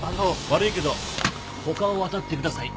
悪いけど他を当たってください。